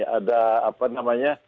ada apa namanya